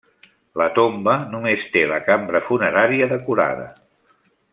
La tomba només té la cambra funerària decorada.